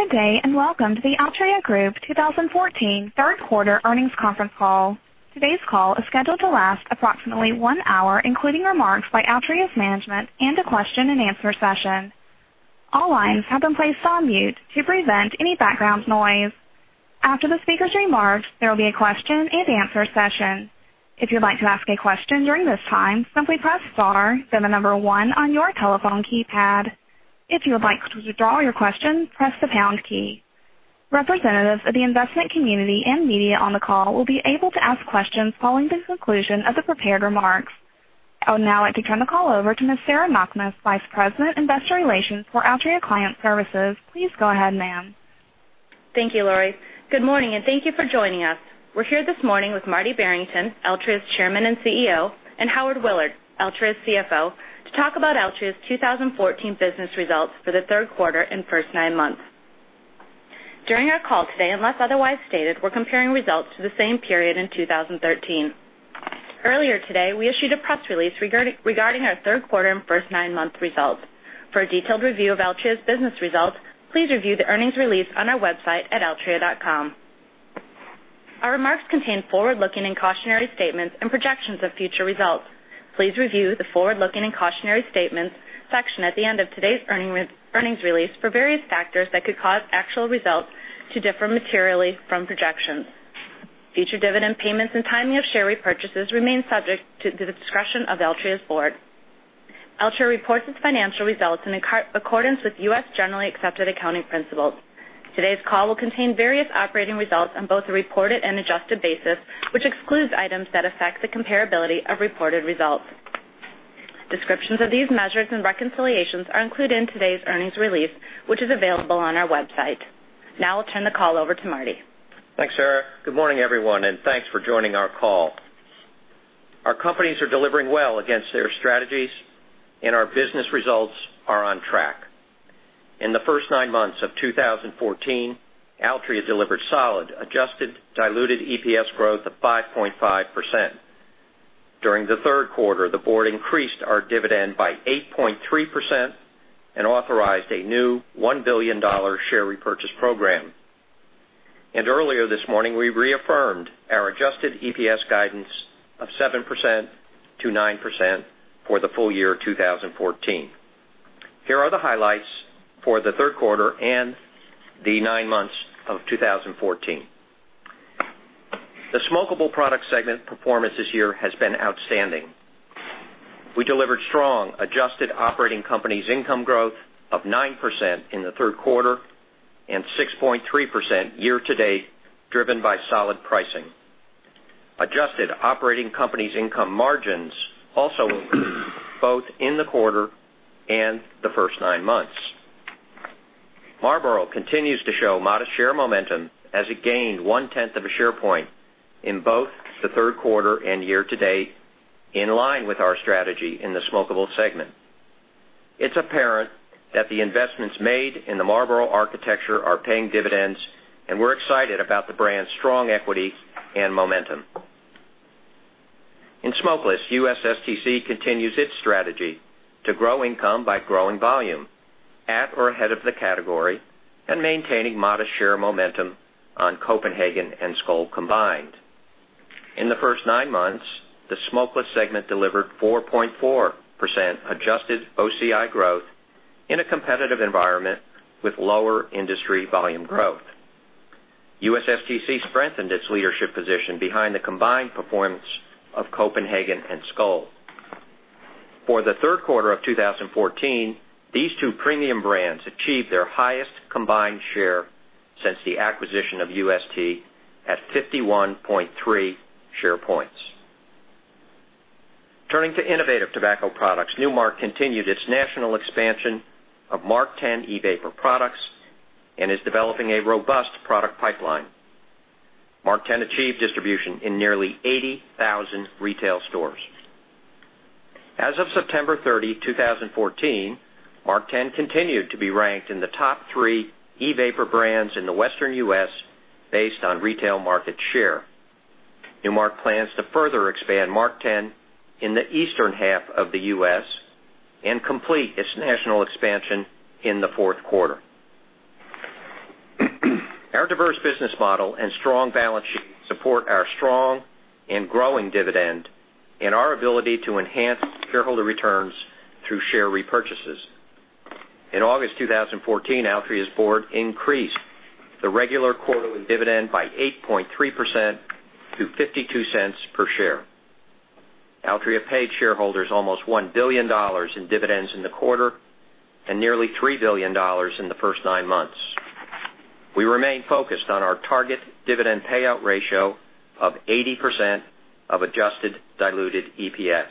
Good day, welcome to the Altria Group 2014 third quarter earnings conference call. Today's call is scheduled to last approximately one hour, including remarks by Altria's management and a question and answer session. All lines have been placed on mute to prevent any background noise. After the speaker's remarks, there will be a question and answer session. If you'd like to ask a question during this time, simply press star, then the number one on your telephone keypad. If you would like to withdraw your question, press the pound key. Representatives of the investment community and media on the call will be able to ask questions following the conclusion of the prepared remarks. I would now like to turn the call over to Ms. Sarah Knakmuhs, Vice President, Investor Relations for Altria Client Services. Please go ahead, ma'am. Thank you, Laurie. Good morning, thank you for joining us. We're here this morning with Marty Barrington, Altria's Chairman and CEO, and Howard Willard, Altria's CFO, to talk about Altria's 2014 business results for the third quarter and first nine months. During our call today, unless otherwise stated, we're comparing results to the same period in 2013. Earlier today, we issued a press release regarding our third quarter and first nine-month results. For a detailed review of Altria's business results, please review the earnings release on our website at altria.com. Our remarks contain forward-looking and cautionary statements and projections of future results. Please review the forward-looking and cautionary statements section at the end of today's earnings release for various factors that could cause actual results to differ materially from projections. Future dividend payments and timing of share repurchases remain subject to the discretion of Altria's board. Altria reports its financial results in accordance with U.S. generally accepted accounting principles. Today's call will contain various operating results on both a reported and adjusted basis, which excludes items that affect the comparability of reported results. Descriptions of these measures and reconciliations are included in today's earnings release, which is available on our website. Now I'll turn the call over to Marty. Thanks, Sarah. Good morning, everyone, thanks for joining our call. Our companies are delivering well against their strategies, our business results are on track. In the first nine months of 2014, Altria delivered solid adjusted diluted EPS growth of 5.5%. During the third quarter, the board increased our dividend by 8.3% and authorized a new $1 billion share repurchase program. Earlier this morning, we reaffirmed our adjusted EPS guidance of 7%-9% for the full year 2014. Here are the highlights for the third quarter and the nine months of 2014. The smokeable product segment performance this year has been outstanding. We delivered strong adjusted operating companies income growth of 9% in the third quarter and 6.3% year to date, driven by solid pricing. Adjusted operating companies income margins also improved both in the quarter and the first nine months. Marlboro continues to show modest share momentum as it gained one tenth of a share point in both the third quarter and year to date, in line with our strategy in the smokeable segment. It's apparent that the investments made in the Marlboro architecture are paying dividends. We're excited about the brand's strong equity and momentum. In smokeless, USSTC continues its strategy to grow income by growing volume at or ahead of the category and maintaining modest share momentum on Copenhagen and Skoal combined. In the first nine months, the smokeless segment delivered 4.4% adjusted OCI growth in a competitive environment with lower industry volume growth. USSTC strengthened its leadership position behind the combined performance of Copenhagen and Skoal. For the third quarter of 2014, these two premium brands achieved their highest combined share since the acquisition of UST at 51.3 share points. Turning to innovative tobacco products, Nu Mark continued its national expansion of MarkTen e-vapor products and is developing a robust product pipeline. MarkTen achieved distribution in nearly 80,000 retail stores. As of September 30, 2014, MarkTen continued to be ranked in the top three e-vapor brands in the Western U.S. based on retail market share. Nu Mark plans to further expand MarkTen in the eastern half of the U.S. and complete its national expansion in the fourth quarter. Our diverse business model and strong balance sheet support our strong and growing dividend and our ability to enhance shareholder returns through share repurchases. In August 2014, Altria's board increased the regular quarterly dividend by 8.3% to $0.52 per share. Altria paid shareholders almost $1 billion in dividends in the quarter and nearly $3 billion in the first nine months. We remain focused on our target dividend payout ratio of 80% of adjusted diluted EPS.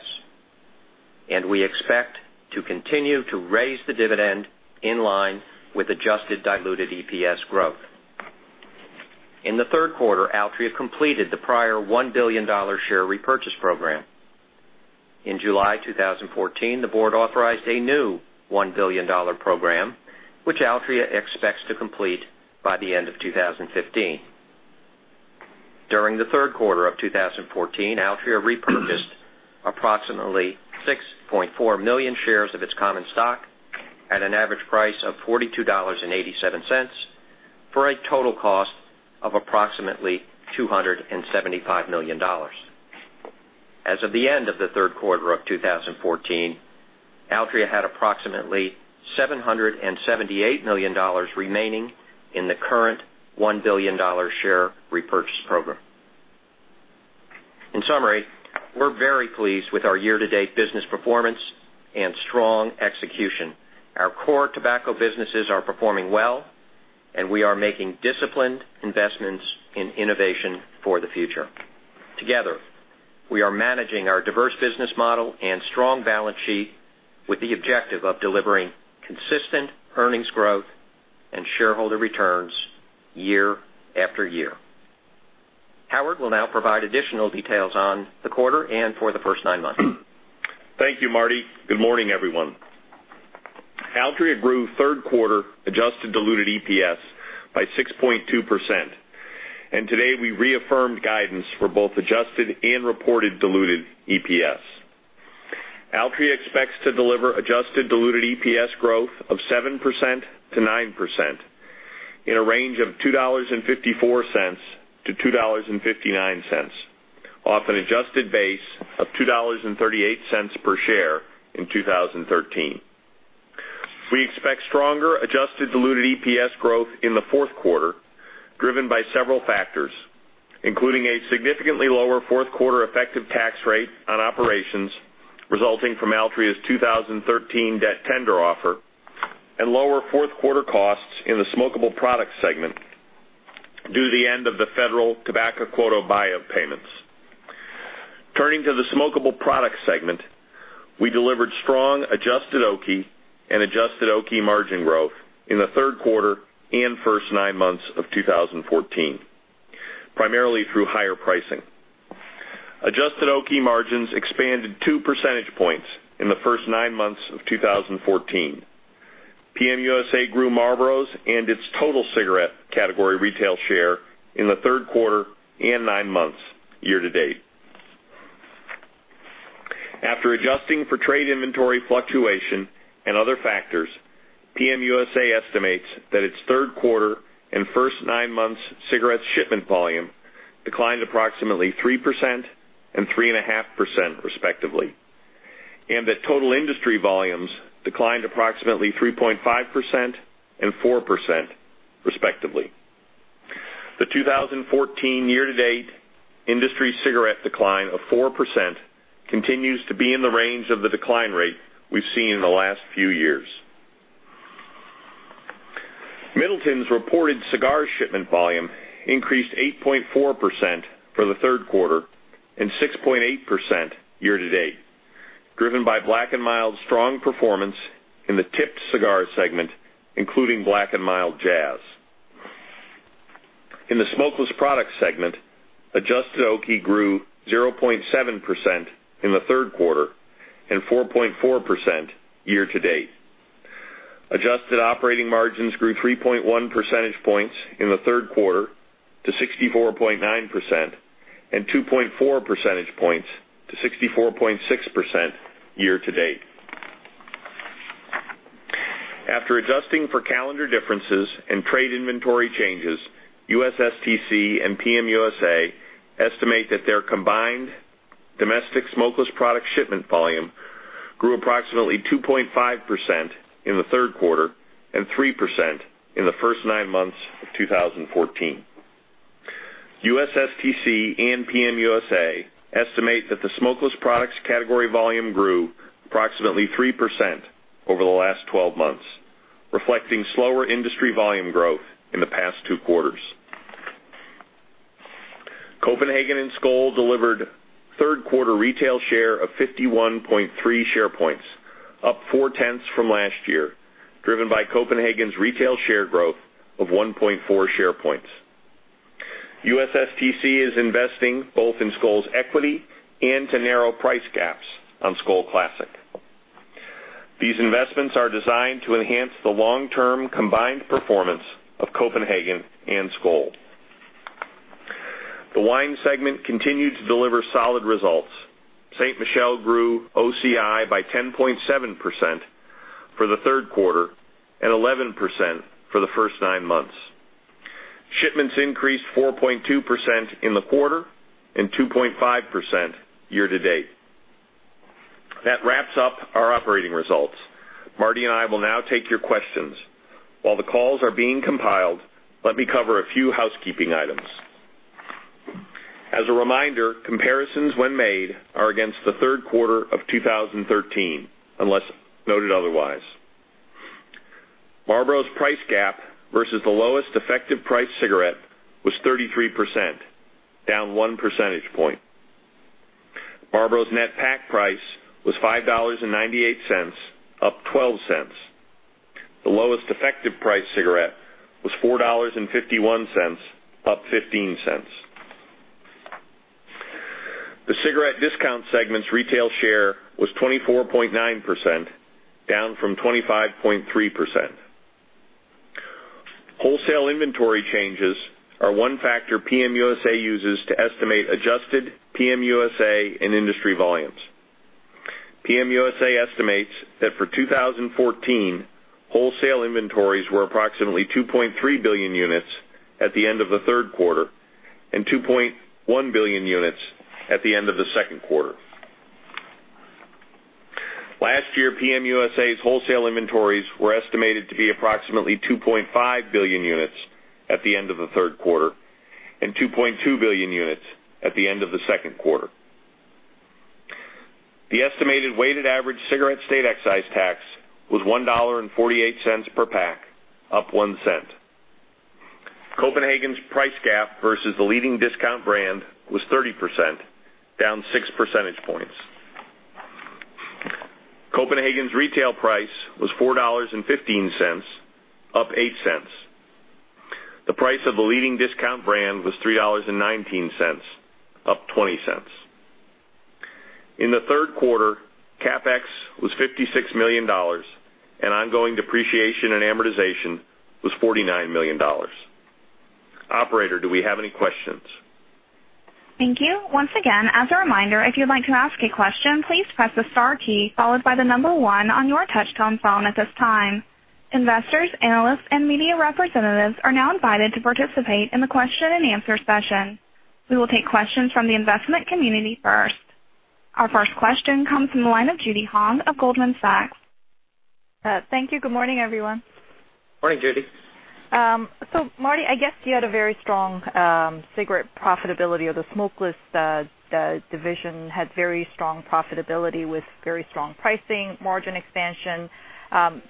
We expect to continue to raise the dividend in line with adjusted diluted EPS growth. In the third quarter, Altria completed the prior $1 billion share repurchase program. In July 2014, the board authorized a new $1 billion program, which Altria expects to complete by the end of 2015. During the third quarter of 2014, Altria repurchased approximately 6.4 million shares of its common stock at an average price of $42.87, for a total cost of approximately $275 million. As of the end of the third quarter of 2014, Altria had approximately $778 million remaining in the current $1 billion share repurchase program. In summary, we're very pleased with our year-to-date business performance and strong execution. Our core tobacco businesses are performing well. We are making disciplined investments in innovation for the future. Together, we are managing our diverse business model and strong balance sheet with the objective of delivering consistent earnings growth and shareholder returns year after year. Howard will now provide additional details on the quarter and for the first nine months. Thank you, Marty. Good morning, everyone. Altria grew third-quarter adjusted diluted EPS by 6.2%, and today we reaffirmed guidance for both adjusted and reported diluted EPS. Altria expects to deliver adjusted diluted EPS growth of 7%-9% in a range of $2.54-$2.59, off an adjusted base of $2.38 per share in 2013. We expect stronger adjusted diluted EPS growth in the fourth quarter, driven by several factors, including a significantly lower fourth-quarter effective tax rate on operations resulting from Altria's 2013 debt tender offer and lower fourth-quarter costs in the smokable products segment due to the end of the federal tobacco quota buyout payments. Turning to the smokable products segment, we delivered strong adjusted OCI and adjusted OCI margin growth in the third quarter and first nine months of 2014, primarily through higher pricing. Adjusted OCI margins expanded two percentage points in the first nine months of 2014. PM USA grew Marlboro's and its total cigarette category retail share in the third quarter and nine months year to date. After adjusting for trade inventory fluctuation and other factors, PM USA estimates that its third-quarter and first nine months cigarettes shipment volume declined approximately 3% and 3.5% respectively, and that total industry volumes declined approximately 3.5% and 4%, respectively. The 2014 year-to-date industry cigarette decline of 4% continues to be in the range of the decline rate we've seen in the last few years. Middleton's reported cigar shipment volume increased 8.4% for the third quarter and 6.8% year to date, driven by Black & Mild's strong performance in the tipped cigar segment, including Black & Mild Jazz. In the smokeless products segment, adjusted OCI grew 0.7% in the third quarter and 4.4% year to date. Adjusted operating margins grew 3.1 percentage points in the third quarter to 64.9% and 2.4 percentage points to 64.6% year to date. After adjusting for calendar differences and trade inventory changes, USTC and PM USA estimate that their combined domestic smokeless product shipment volume grew approximately 2.5% in the third quarter and 3% in the first nine months of 2014. USTC and PM USA estimate that the smokeless products category volume grew approximately 3% over the last 12 months, reflecting slower industry volume growth in the past two quarters. Copenhagen and Skoal delivered third-quarter retail share of 51.3 share points, up 0.4 from last year, driven by Copenhagen's retail share growth of 1.4 share points. USTC is investing both in Skoal's equity and to narrow price gaps on Skoal Classic. These investments are designed to enhance the long-term combined performance of Copenhagen and Skoal. The wine segment continued to deliver solid results. Ste. Michelle grew OCI by 10.7% for the third quarter and 11% for the first nine months. Shipments increased 4.2% in the quarter and 2.5% year to date. That wraps up our operating results. Marty and I will now take your questions. While the calls are being compiled, let me cover a few housekeeping items. As a reminder, comparisons when made are against the third quarter of 2013, unless noted otherwise. Marlboro's price gap versus the lowest effective price cigarette was 33%, down one percentage point. Marlboro's net pack price was $5.98, up $0.12. The lowest effective price cigarette was $4.51, up $0.15. The cigarette discount segment's retail share was 24.9%, down from 25.3%. Wholesale inventory changes are one factor PM USA uses to estimate adjusted PM USA and industry volumes. PM USA estimates that for 2014, wholesale inventories were approximately 2.3 billion units at the end of the third quarter, and 2.1 billion units at the end of the second quarter. Last year, PM USA's wholesale inventories were estimated to be approximately 2.5 billion units at the end of the third quarter, and 2.2 billion units at the end of the second quarter. The estimated weighted average cigarette state excise tax was $1.48 per pack, up $0.01. Copenhagen's price gap versus the leading discount brand was 30%, down six percentage points. Copenhagen's retail price was $4.15, up $0.08. The price of the leading discount brand was $3.19, up $0.20. In the third quarter, CapEx was $56 million, and ongoing depreciation and amortization was $49 million. Operator, do we have any questions? Thank you. Once again, as a reminder, if you'd like to ask a question, please press the star key followed by the number one on your touchtone phone at this time. Investors, analysts, and media representatives are now invited to participate in the question and answer session. We will take questions from the investment community first. Our first question comes from the line of Judy Hong of Goldman Sachs. Thank you. Good morning, everyone. Morning, Judy. Marty, I guess you had a very strong cigarette profitability of the smokeless division, had very strong profitability with very strong pricing margin expansion.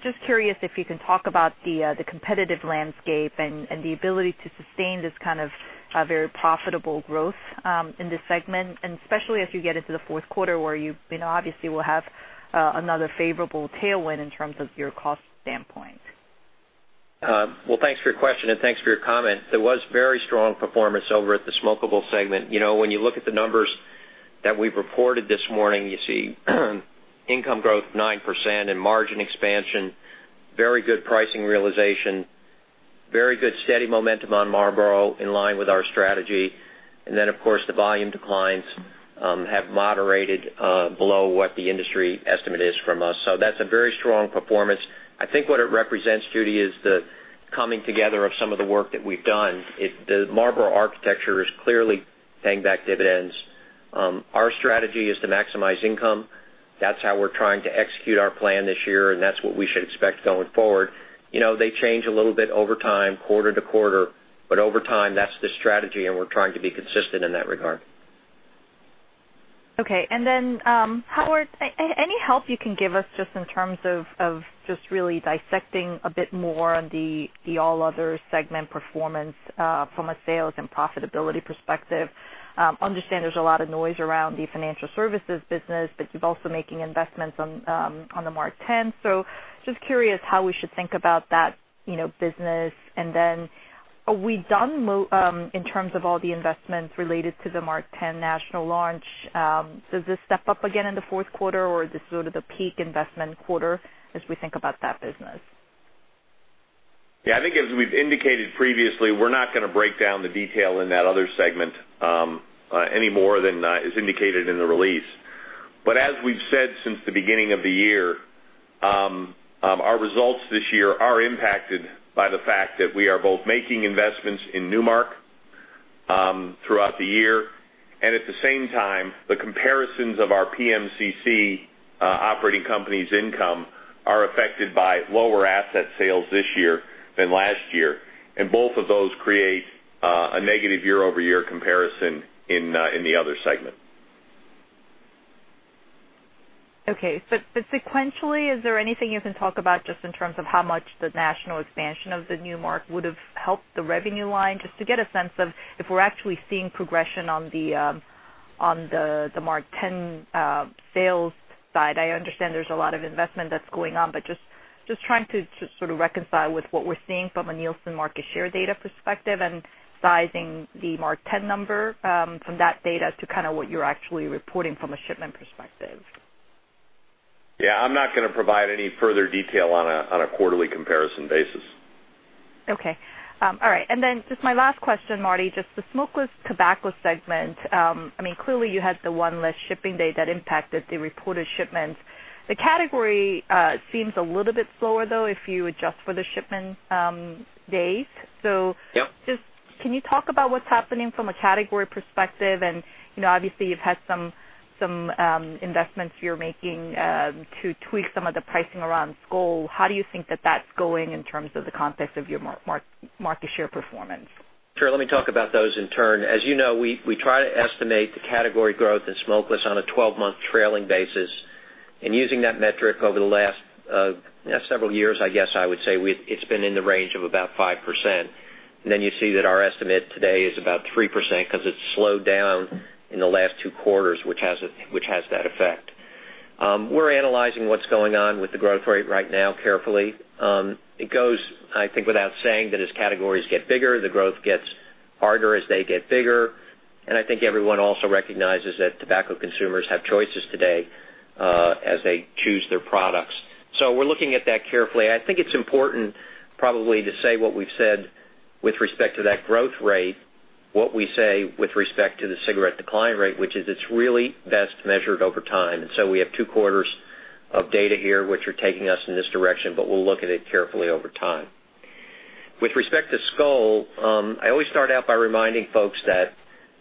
Just curious if you can talk about the competitive landscape and the ability to sustain this kind of very profitable growth in this segment, and especially as you get into the fourth quarter where you obviously will have another favorable tailwind in terms of your cost standpoint. Well, thanks for your question and thanks for your comment. There was very strong performance over at the smokable segment. When you look at the numbers that we've reported this morning, you see income growth 9% and margin expansion, very good pricing realization, very good steady momentum on Marlboro, in line with our strategy. Of course, the volume declines have moderated below what the industry estimate is from us. That's a very strong performance. I think what it represents, Judy, is the coming together of some of the work that we've done. The Marlboro architecture is clearly paying back dividends. Our strategy is to maximize income. That's how we're trying to execute our plan this year, and that's what we should expect going forward. They change a little bit over time, quarter to quarter, over time, that's the strategy, and we're trying to be consistent in that regard. Okay. Howard, any help you can give us just in terms of just really dissecting a bit more on the All Other segment performance from a sales and profitability perspective? Understand there's a lot of noise around the financial services business, but you're also making investments on the MarkTen. Just curious how we should think about that business. Are we done in terms of all the investments related to the MarkTen national launch? Does this step up again in the fourth quarter, or is this sort of the peak investment quarter as we think about that business? I think as we've indicated previously, we're not going to break down the detail in that other segment any more than is indicated in the release. As we've said since the beginning of the year, our results this year are impacted by the fact that we are both making investments in Nu Mark throughout the year, and at the same time, the comparisons of our PMCC operating company's income are affected by lower asset sales this year than last year. Both of those create a negative year-over-year comparison in the other segment. Okay. Sequentially, is there anything you can talk about just in terms of how much the national expansion of the Nu Mark would have helped the revenue line, just to get a sense of if we're actually seeing progression on the MarkTen sales side. I understand there's a lot of investment that's going on, just trying to sort of reconcile with what we're seeing from a Nielsen market share data perspective and sizing the MarkTen number from that data to kind of what you're actually reporting from a shipment perspective. I'm not going to provide any further detail on a quarterly comparison basis. Okay. All right. Then just my last question, Marty, just the smokeless tobacco segment. Clearly you had the one less shipping date that impacted the reported shipments. The category seems a little bit slower, though, if you adjust for the shipment dates. Yep. Just can you talk about what's happening from a category perspective? Obviously you've had some investments you're making to tweak some of the pricing around Skoal. How do you think that that's going in terms of the context of your market share performance? Sure. Let me talk about those in turn. As you know, we try to estimate the category growth in smokeless on a 12-month trailing basis. Using that metric over the last several years, I guess I would say it's been in the range of about 5%. You see that our estimate today is about 3% because it's slowed down in the last two quarters, which has that effect. We're analyzing what's going on with the growth rate right now carefully. It goes, I think without saying, that as categories get bigger, the growth gets harder as they get bigger. I think everyone also recognizes that tobacco consumers have choices today as they choose their products. We're looking at that carefully. I think it's important probably to say what we've said with respect to that growth rate, what we say with respect to the cigarette decline rate, which is it's really best measured over time. We have two quarters of data here which are taking us in this direction, but we'll look at it carefully over time. With respect to Skoal, I always start out by reminding folks that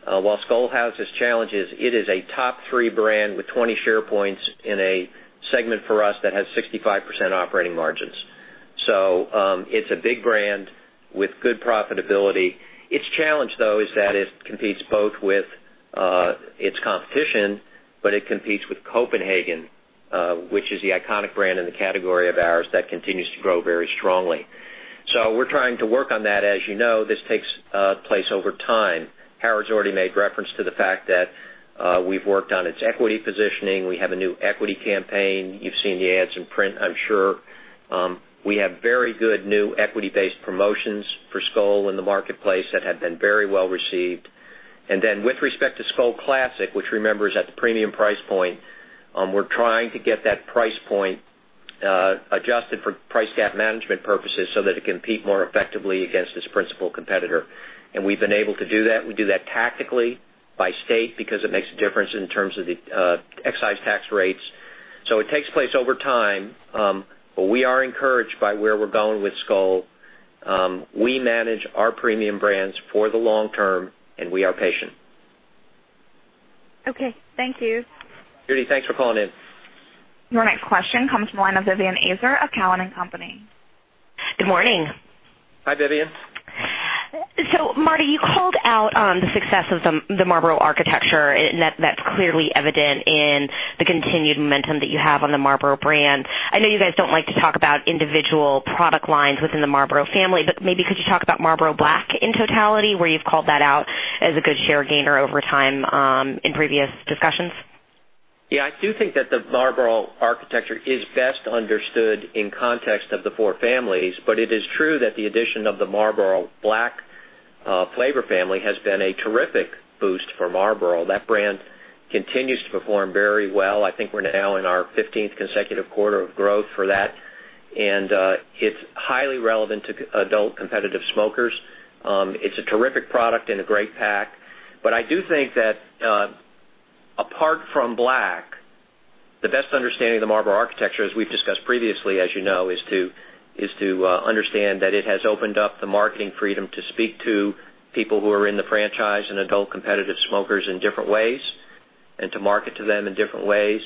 while Skoal has its challenges, it is a top 3 brand with 20 share points in a segment for us that has 65% operating margins. It's a big brand with good profitability. Its challenge, though, is that it competes both with its competition, but it competes with Copenhagen, which is the iconic brand in the category of ours that continues to grow very strongly. We're trying to work on that. As you know, this takes place over time. Howard's already made reference to the fact that we've worked on its equity positioning. We have a new equity campaign. You've seen the ads in print, I'm sure. We have very good new equity-based promotions for Skoal in the marketplace that have been very well received. With respect to Skoal Classic, which remember, is at the premium price point, we're trying to get that price point adjusted for price gap management purposes so that it can compete more effectively against its principal competitor. We've been able to do that. We do that tactically by state because it makes a difference in terms of the excise tax rates. It takes place over time. We are encouraged by where we're going with Skoal. We manage our premium brands for the long term, and we are patient. Okay. Thank you. Judy, thanks for calling in. Your next question comes from the line of Vivien Azer of Cowen and Company. Good morning. Hi, Vivien. Marty, you called out on the success of the Marlboro architecture, and that's clearly evident in the continued momentum that you have on the Marlboro brand. I know you guys don't like to talk about individual product lines within the Marlboro family, but maybe could you talk about Marlboro Black in totality, where you've called that out as a good share gainer over time in previous discussions? Yeah, I do think that the Marlboro architecture is best understood in context of the four families. It is true that the addition of the Marlboro Black flavor family has been a terrific boost for Marlboro. That brand continues to perform very well. I think we're now in our 15th consecutive quarter of growth for that, and it's highly relevant to adult competitive smokers. It's a terrific product and a great pack. I do think that apart from Black, the best understanding of the Marlboro architecture, as we've discussed previously, as you know, is to understand that it has opened up the marketing freedom to speak to people who are in the franchise and adult competitive smokers in different ways and to market to them in different ways.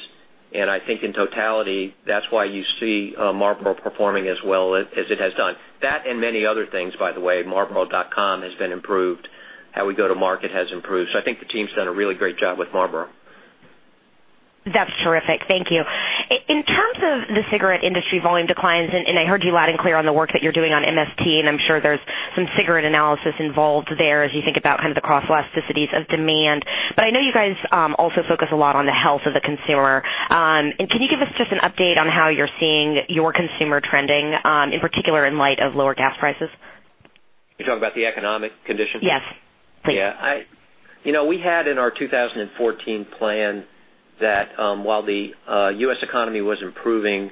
I think in totality, that's why you see Marlboro performing as well as it has done. That and many other things by the way, marlboro.com has been improved. How we go to market has improved. I think the team's done a really great job with Marlboro. That's terrific. Thank you. In terms of the cigarette industry volume declines, I heard you loud and clear on the work that you're doing on MST, and I'm sure there's some cigarette analysis involved there as you think about kind of the cross-elasticities of demand. I know you guys also focus a lot on the health of the consumer. Can you give us just an update on how you're seeing your consumer trending, in particular in light of lower gas prices? You're talking about the economic conditions? Yes. Please. Yeah. We had in our 2014 plan that while the U.S. economy was improving,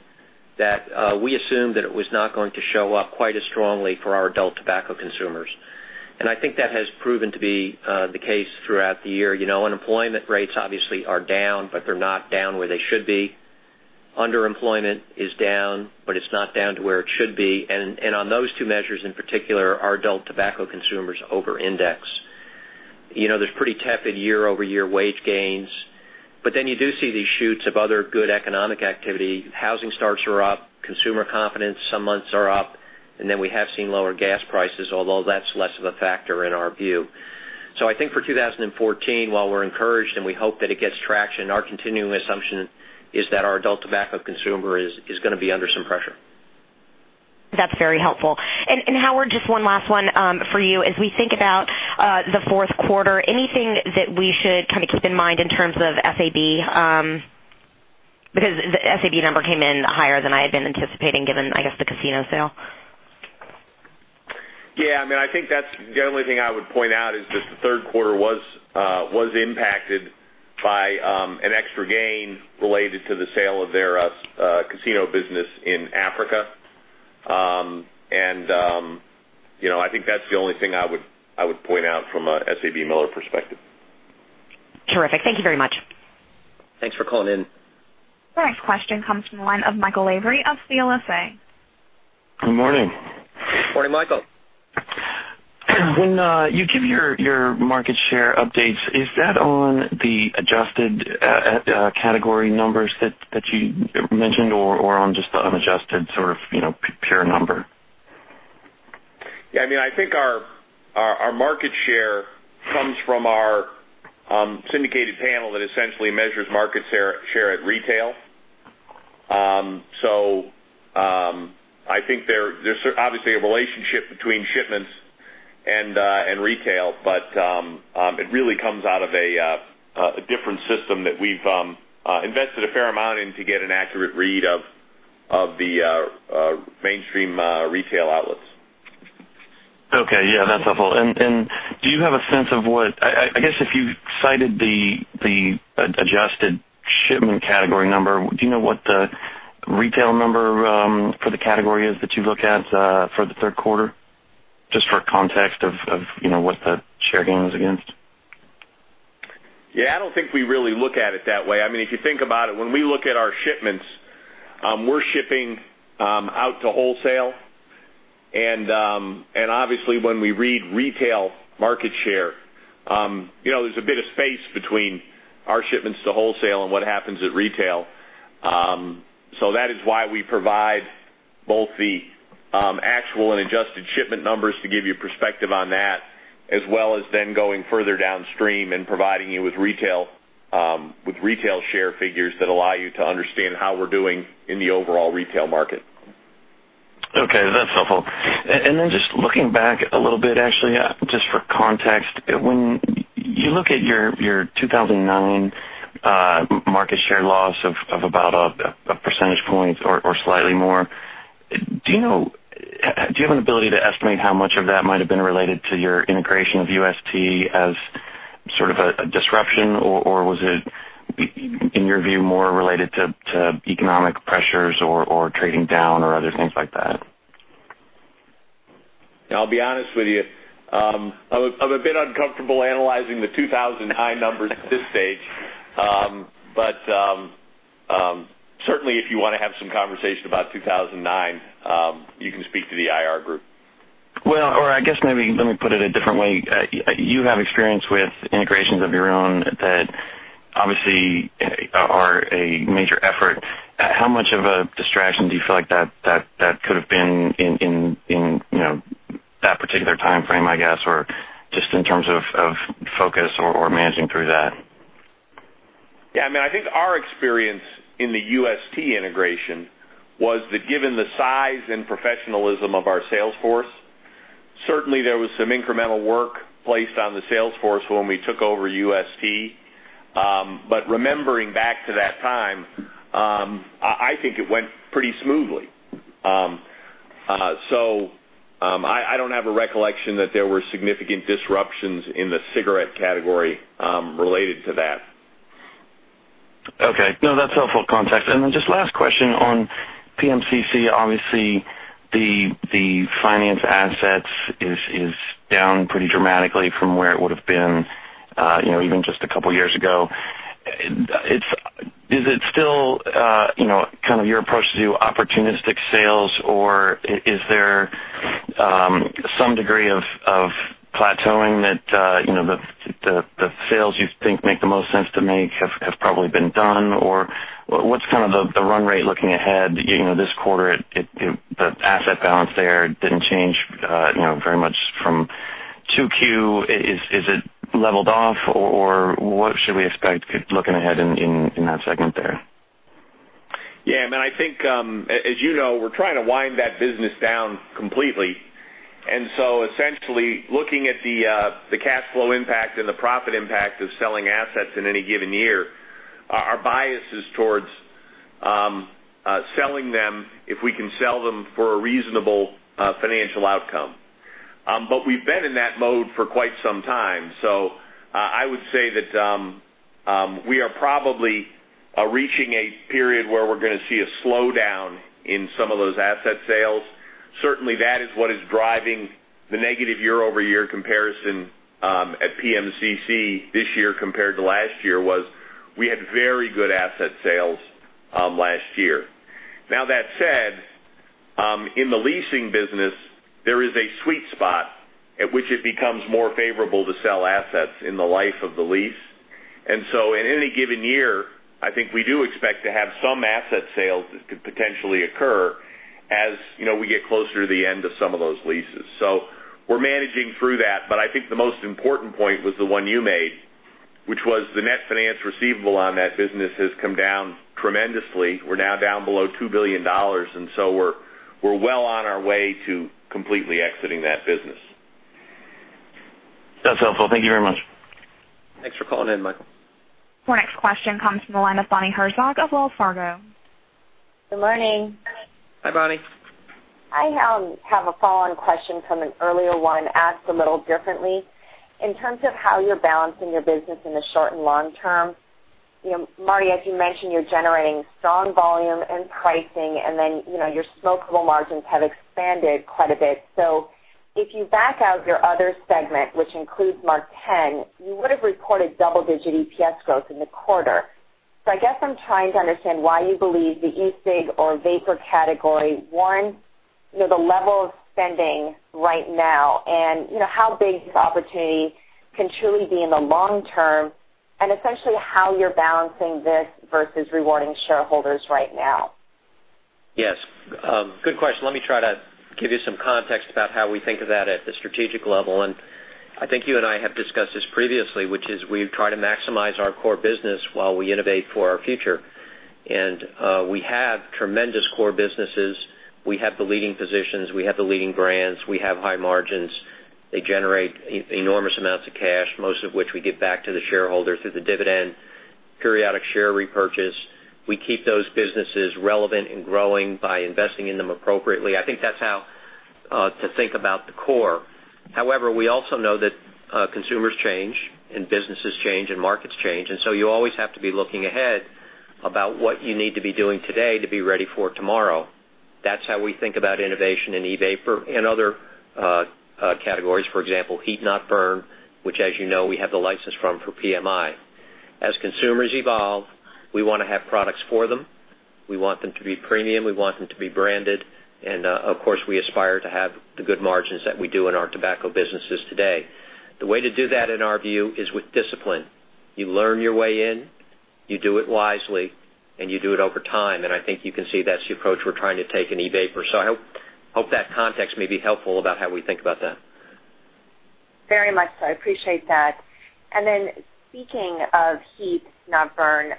that we assumed that it was not going to show up quite as strongly for our adult tobacco consumers. I think that has proven to be the case throughout the year. Unemployment rates obviously are down, but they're not down where they should be. Underemployment is down, but it's not down to where it should be. On those two measures in particular, our adult tobacco consumers over-index. There's pretty tepid year-over-year wage gains. You do see these shoots of other good economic activity. Housing starts are up, consumer confidence some months are up, then we have seen lower gas prices, although that's less of a factor in our view. I think for 2014, while we're encouraged and we hope that it gets traction, our continuing assumption is that our adult tobacco consumer is going to be under some pressure. That's very helpful. Howard, just one last one for you. As we think about the fourth quarter, anything that we should kind of keep in mind in terms of SAB? The SAB number came in higher than I had been anticipating, given, I guess, the casino sale. Yeah. I think the only thing I would point out is that the third quarter was impacted by an extra gain related to the sale of their casino business in Africa. I think that's the only thing I would point out from a SABMiller perspective. Terrific. Thank you very much. Thanks for calling in. Your next question comes from the line of Michael Lavery of CLSA. Good morning. Morning, Michael. When you give your market share updates, is that on the adjusted category numbers that you mentioned or on just the unadjusted sort of pure number? Yeah. I think our market share comes from our syndicated panel that essentially measures market share at retail. I think there's obviously a relationship between shipments and retail, but it really comes out of a different system that we've invested a fair amount in to get an accurate read of the mainstream retail outlets. Okay. Yeah, that's helpful. Do you have a sense of I guess if you cited the adjusted shipment category number, do you know what the retail number for the category is that you look at for the third quarter? Just for context of what the share gain was against. I don't think we really look at it that way. If you think about it, when we look at our shipments, we're shipping out to wholesale, and obviously when we read retail market share, there's a bit of space between our shipments to wholesale and what happens at retail. That is why we provide both the actual and adjusted shipment numbers to give you perspective on that, as well as then going further downstream and providing you with retail share figures that allow you to understand how we're doing in the overall retail market. Okay, that's helpful. Just looking back a little bit, actually, just for context, when you look at your 2009 market share loss of about a percentage point or slightly more, do you have an ability to estimate how much of that might've been related to your integration of UST as sort of a disruption, or was it, in your view, more related to economic pressures or trading down or other things like that? I'll be honest with you, I'm a bit uncomfortable analyzing the 2009 numbers at this stage. Certainly if you want to have some conversation about 2009, you can speak to the IR group. I guess maybe let me put it a different way. You have experience with integrations of your own that obviously are a major effort. How much of a distraction do you feel like that could've been in that particular timeframe, I guess, or just in terms of focus or managing through that? Yeah. I think our experience in the UST integration was that given the size and professionalism of our sales force, certainly there was some incremental work placed on the sales force when we took over UST. Remembering back to that time, I think it went pretty smoothly. I don't have a recollection that there were significant disruptions in the cigarette category related to that. Okay. No, that's helpful context. Just last question on PMCC, obviously the finance assets is down pretty dramatically from where it would've been even just a couple of years ago. Is it still kind of your approach to do opportunistic sales, or is there some degree of plateauing that the sales you think make the most sense to make have probably been done? Or what's kind of the run rate looking ahead this quarter? The asset balance there didn't change very much from 2Q. Is it leveled off, or what should we expect looking ahead in that segment there? Yeah. I think, as you know, we're trying to wind that business down completely. Essentially looking at the cash flow impact and the profit impact of selling assets in any given year, our bias is towards selling them if we can sell them for a reasonable financial outcome. We've been in that mode for quite some time. I would say that we are probably reaching a period where we're going to see a slowdown in some of those asset sales. Certainly, that is what is driving the negative year-over-year comparison at PMCC this year compared to last year was we had very good asset sales last year. That said, in the leasing business, there is a sweet spot at which it becomes more favorable to sell assets in the life of the lease. In any given year, I think we do expect to have some asset sales that could potentially occur as we get closer to the end of some of those leases. We're managing through that. I think the most important point was the one you made, which was the net finance receivable on that business has come down tremendously. We're now down below $2 billion, we're well on our way to completely exiting that business. That's helpful. Thank you very much. Thanks for calling in, Michael. Our next question comes from the line of Bonnie Herzog of Wells Fargo. Good morning. Hi, Bonnie. I have a follow-on question from an earlier one asked a little differently. In terms of how you're balancing your business in the short and long term, Marty, as you mentioned, you're generating strong volume and pricing, then your smokeable margins have expanded quite a bit. If you back out your other segment, which includes MarkTen, you would've reported double-digit EPS growth in the quarter. I guess I'm trying to understand why you believe the e-cig or vapor category, one, the level of spending right now, and how big this opportunity can truly be in the long term, and essentially how you're balancing this versus rewarding shareholders right now. Yes. Good question. Let me try to give you some context about how we think of that at the strategic level. I think you and I have discussed this previously, which is we try to maximize our core business while we innovate for our future. We have tremendous core businesses. We have the leading positions, we have the leading brands, we have high margins. They generate enormous amounts of cash, most of which we give back to the shareholder through the dividend, periodic share repurchase. We keep those businesses relevant and growing by investing in them appropriately. I think that's how to think about the core. However, we also know that consumers change and businesses change and markets change, you always have to be looking ahead about what you need to be doing today to be ready for tomorrow. That's how we think about innovation in e-vapor and other categories, for example, heat-not-burn, which, as you know, we have the license from for PMI. As consumers evolve, we want to have products for them. We want them to be premium, we want them to be branded, and of course, we aspire to have the good margins that we do in our tobacco businesses today. The way to do that in our view, is with discipline. You learn your way in, you do it wisely, and you do it over time. I think you can see that's the approach we're trying to take in e-vapor. I hope that context may be helpful about how we think about that. Very much so. I appreciate that. Speaking of heat-not-burn,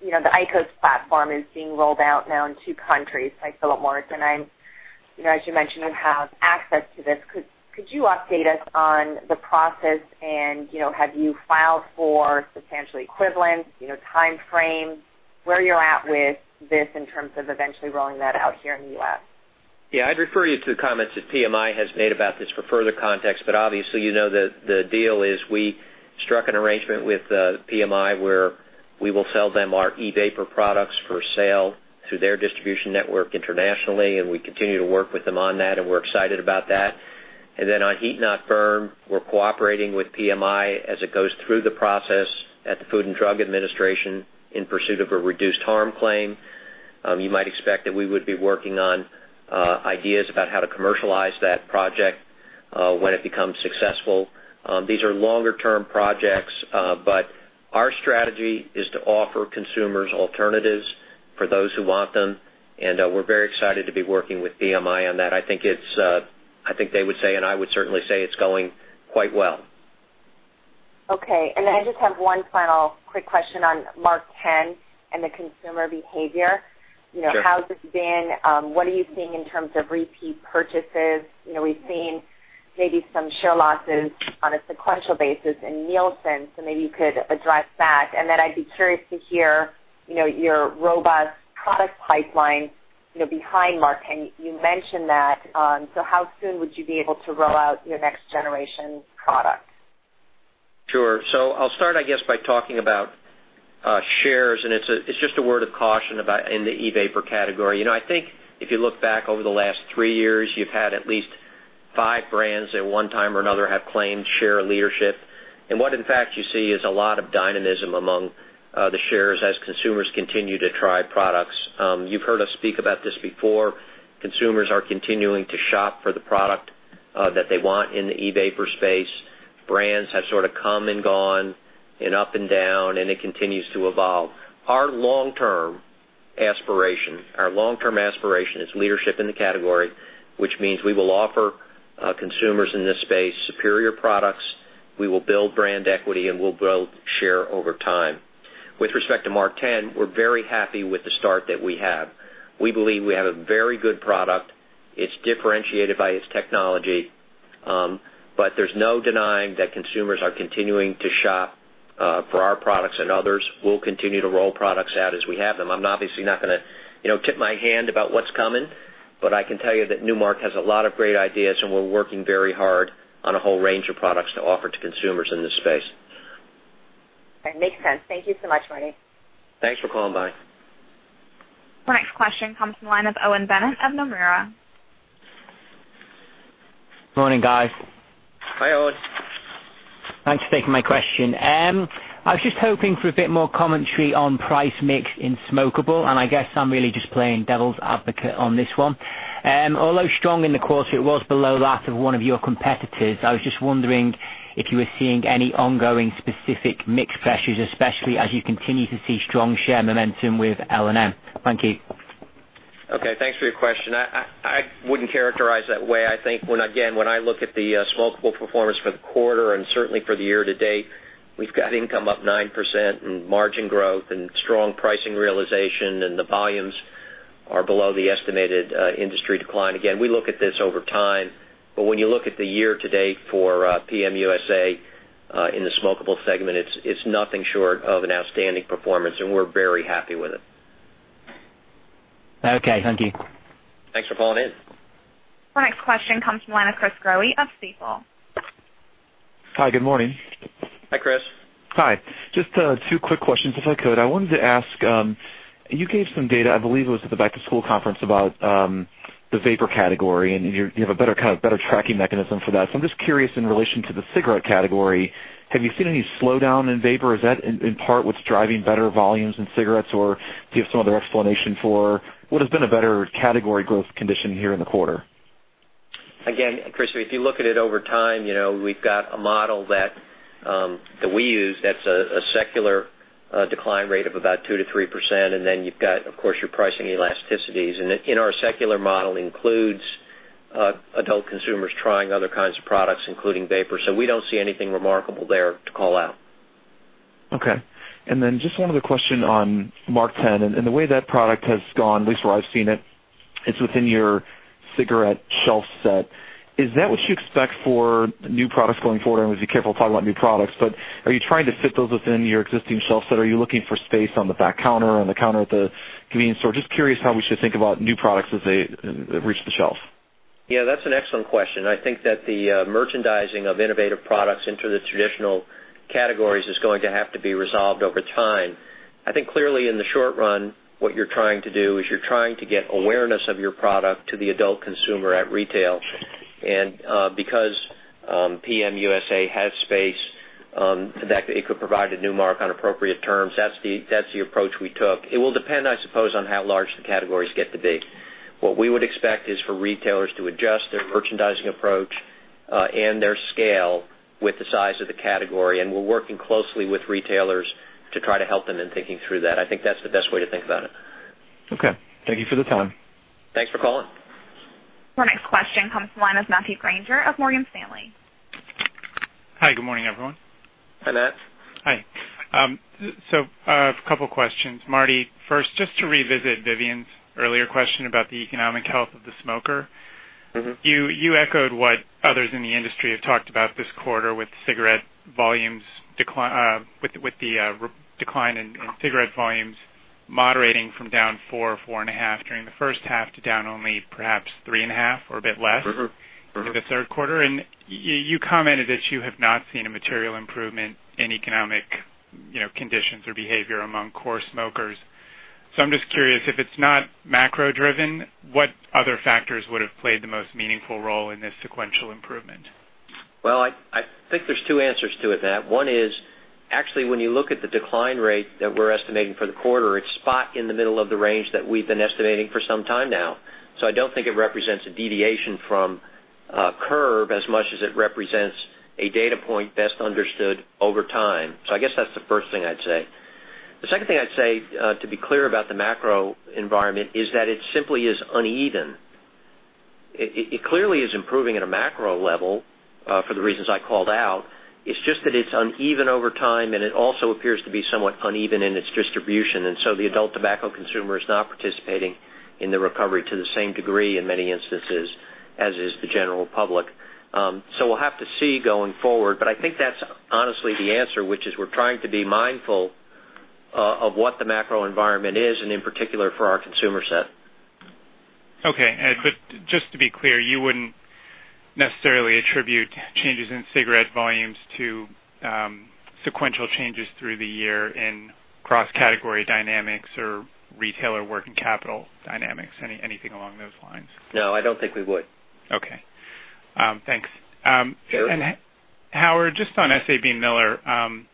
the IQOS platform is being rolled out now in two countries, like Philip Morris. As you mentioned, you have access to this. Could you update us on the process and have you filed for substantial equivalence, timeframe, where you're at with this in terms of eventually rolling that out here in the U.S.? I'd refer you to the comments that PMI has made about this for further context, obviously, you know that the deal is we struck an arrangement with PMI where we will sell them our e-vapor products for sale through their distribution network internationally, we continue to work with them on that, we're excited about that. On heat-not-burn, we're cooperating with PMI as it goes through the process at the Food and Drug Administration in pursuit of a reduced harm claim. You might expect that we would be working on ideas about how to commercialize that project when it becomes successful. These are longer-term projects. Our strategy is to offer consumers alternatives for those who want them. We're very excited to be working with PMI on that. I think they would say, I would certainly say it's going quite well. Okay. I just have one final quick question on MarkTen and the consumer behavior. Sure. How has this been? What are you seeing in terms of repeat purchases? We've seen maybe some share losses on a sequential basis in Nielsen. Maybe you could address that. Then I'd be curious to hear your robust product pipeline behind MarkTen. You mentioned that. How soon would you be able to roll out your next generation product? Sure. I'll start, I guess, by talking about shares, and it's just a word of caution about in the e-vapor category. I think if you look back over the last three years, you've had at least five brands at one time or another have claimed share leadership. What in fact you see is a lot of dynamism among the shares as consumers continue to try products. You've heard us speak about this before. Consumers are continuing to shop for the product that they want in the e-vapor space. Brands have sort of come and gone and up and down, and it continues to evolve. Our long-term aspiration is leadership in the category, which means we will offer consumers in this space superior products, we will build brand equity, and we'll build share over time. With respect to MarkTen, we're very happy with the start that we have. We believe we have a very good product. It's differentiated by its technology. There's no denying that consumers are continuing to shop for our products and others. We'll continue to roll products out as we have them. I'm obviously not going to tip my hand about what's coming, but I can tell you that Nu Mark has a lot of great ideas, and we're working very hard on a whole range of products to offer to consumers in this space. Makes sense. Thank you so much, Marty. Thanks for calling, Bonnie. Our next question comes from the line of Owen Bennett of Nomura. Morning, guys. Hi, Owen. Thanks for taking my question. I was just hoping for a bit more commentary on price mix in smokable, and I guess I'm really just playing devil's advocate on this one. Although strong in the quarter, it was below that of one of your competitors. I was just wondering if you were seeing any ongoing specific mix pressures, especially as you continue to see strong share momentum with L&M. Thank you. Okay. Thanks for your question. I wouldn't characterize that way. I think when, again, when I look at the smokable performance for the quarter and certainly for the year to date, we've got income up 9% and margin growth and strong pricing realization, and the volumes are below the estimated industry decline. Again, we look at this over time, but when you look at the year to date for PM USA in the smokable segment, it's nothing short of an outstanding performance, and we're very happy with it. Okay, thank you. Thanks for calling in. Our next question comes from the line of Chris Growe of Stifel. Hi, good morning. Hi, Chris. Hi. Just two quick questions, if I could. I wanted to ask, you gave some data, I believe it was at the back-to-school conference about the vapor category, and you have a better kind of better tracking mechanism for that. I'm just curious in relation to the cigarette category, have you seen any slowdown in vapor? Is that in part what's driving better volumes in cigarettes? Do you have some other explanation for what has been a better category growth condition here in the quarter? Again, Chris, if you look at it over time, we've got a model that we use, that's a secular decline rate of about 2%-3%. You've got, of course, your pricing elasticities. In our secular model, includes adult consumers trying other kinds of products, including vapers. We don't see anything remarkable there to call out. Okay. Just one other question on MarkTen. The way that product has gone, at least where I've seen it's within your cigarette shelf set. Is that what you expect for new products going forward? I must be careful talking about new products, but are you trying to fit those within your existing shelf set? Are you looking for space on the back counter, on the counter at the convenience store? Just curious how we should think about new products as they reach the shelf. Yeah, that's an excellent question. I think that the merchandising of innovative products into the traditional categories is going to have to be resolved over time. I think clearly in the short run, what you're trying to do is you're trying to get awareness of your product to the adult consumer at retail. Because PM USA has space that it could provide a Nu Mark on appropriate terms, that's the approach we took. It will depend, I suppose, on how large the categories get to be. What we would expect is for retailers to adjust their merchandising approach and their scale with the size of the category. We're working closely with retailers to try to help them in thinking through that. I think that's the best way to think about it. Okay. Thank you for the time. Thanks for calling. Our next question comes from the line of Matthew Grainger of Morgan Stanley. Hi, good morning, everyone. Hi, Matt. Hi. A couple questions. Marty, first, just to revisit Vivien's earlier question about the economic health of the smoker. You echoed what others in the industry have talked about this quarter with the decline in cigarette volumes moderating from down 4%, 4.5% during the first half to down only perhaps 3.5% or a bit less. In the third quarter. You commented that you have not seen a material improvement in economic conditions or behavior among core smokers. I'm just curious if it's not macro-driven, what other factors would have played the most meaningful role in this sequential improvement? Well, I think there's two answers to it, Matt. One is, actually, when you look at the decline rate that we're estimating for the quarter, it's spot in the middle of the range that we've been estimating for some time now. I don't think it represents a deviation from a curve as much as it represents a data point best understood over time. I guess that's the first thing I'd say. The second thing I'd say to be clear about the macro environment is that it simply is uneven. It clearly is improving at a macro-level for the reasons I called out. It's just that it's uneven over time, and it also appears to be somewhat uneven in its distribution. The adult tobacco consumer is not participating in the recovery to the same degree in many instances as is the general public. We'll have to see going forward, but I think that's honestly the answer, which is we're trying to be mindful of what the macro environment is, and in particular, for our consumer set. Okay. Just to be clear, you wouldn't necessarily attribute changes in cigarette volumes to sequential changes through the year in cross category dynamics or retailer working capital dynamics, anything along those lines? No, I don't think we would. Okay. Thanks. Sure. Howard, just on SABMiller.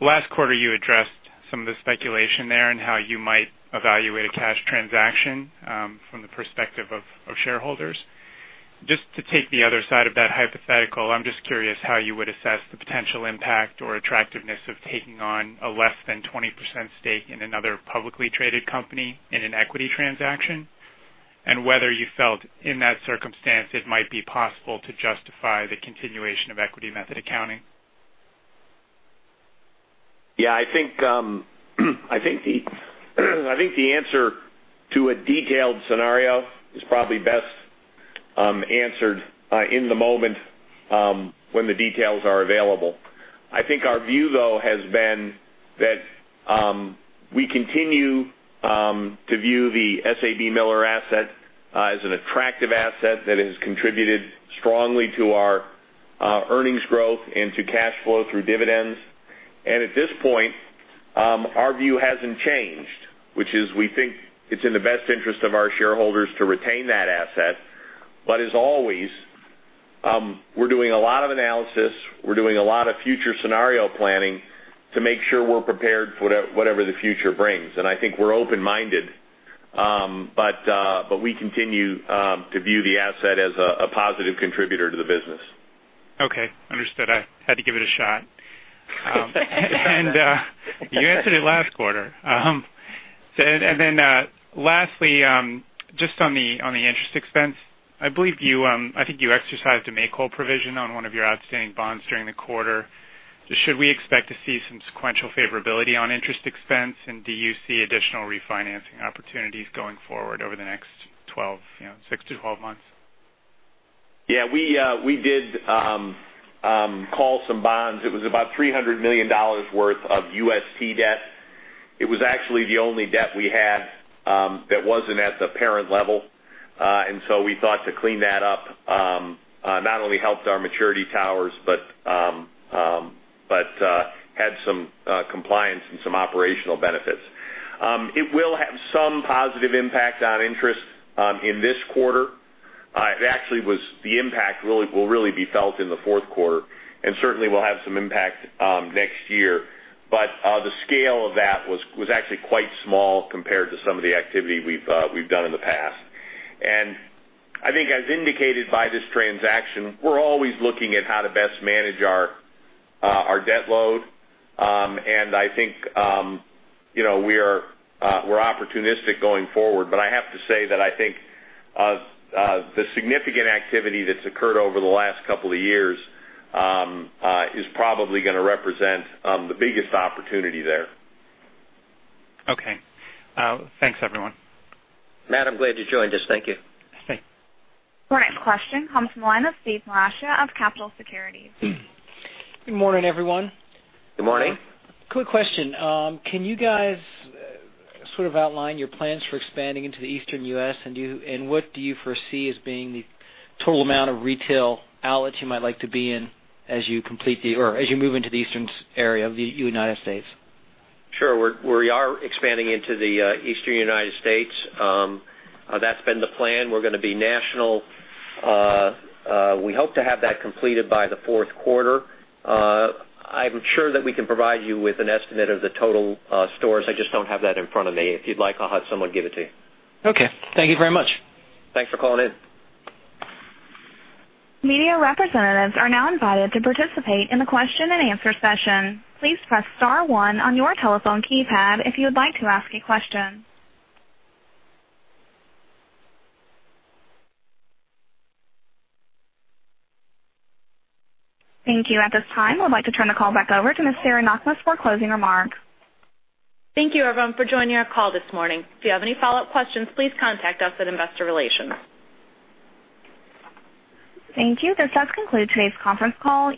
Last quarter, you addressed some of the speculation there and how you might evaluate a cash transaction from the perspective of shareholders. Just to take the other side of that hypothetical, I'm just curious how you would assess the potential impact or attractiveness of taking on a less than 20% stake in another publicly traded company in an equity transaction. Whether you felt in that circumstance it might be possible to justify the continuation of equity method accounting. I think the answer to a detailed scenario is probably best answered in the moment when the details are available. I think our view, though, has been that we continue to view the SABMiller asset as an attractive asset that has contributed strongly to our earnings growth and to cash flow through dividends. At this point our view hasn't changed, which is we think it's in the best interest of our shareholders to retain that asset. As always we're doing a lot of analysis, we're doing a lot of future scenario planning to make sure we're prepared for whatever the future brings. I think we're open-minded, but we continue to view the asset as a positive contributor to the business. Okay, understood. I had to give it a shot. You answered it last quarter. Lastly just on the interest expense, I think you exercised a make-whole provision on one of your outstanding bonds during the quarter. Should we expect to see some sequential favorability on interest expense, and do you see additional refinancing opportunities going forward over the next 6 to 12 months? We did call some bonds. It was about $300 million worth of UST debt. It was actually the only debt we had that wasn't at the parent level. So we thought to clean that up not only helped our maturity towers, but had some compliance and some operational benefits. It will have some positive impact on interest in this quarter. The impact will really be felt in the fourth quarter and certainly will have some impact next year. The scale of that was actually quite small compared to some of the activity we've done in the past. I think as indicated by this transaction, we're always looking at how to best manage our debt load. I think we're opportunistic going forward. I have to say that I think the significant activity that's occurred over the last couple of years is probably going to represent the biggest opportunity there. Okay. Thanks, everyone. Matt, I'm glad you joined us. Thank you. Thanks. Our next question comes from the line of Steve Marascia of Capitol Securities. Good morning, everyone. Good morning. Quick question. Can you guys sort of outline your plans for expanding into the Eastern U.S., and what do you foresee as being the total amount of retail outlets you might like to be in as you move into the Eastern area of the United States? Sure. We are expanding into the Eastern United States. That's been the plan. We're going to be national. We hope to have that completed by the fourth quarter. I'm sure that we can provide you with an estimate of the total stores. I just don't have that in front of me. If you'd like, I'll have someone give it to you. Okay. Thank you very much. Thanks for calling in. Media representatives are now invited to participate in the question and answer session. Please press star one on your telephone keypad if you would like to ask a question. Thank you. At this time, I would like to turn the call back over to Ms. Sarah Knakmuhs for closing remarks. Thank you, everyone, for joining our call this morning. If you have any follow-up questions, please contact us at Investor Relations. Thank you. This does conclude today's conference call.